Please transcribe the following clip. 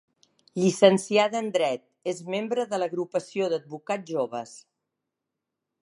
Llicenciada en dret, és membre de l'Agrupació d'Advocats Joves.